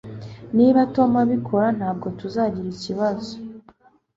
Niba Tom abikora, ntabwo tuzagira ikibazo.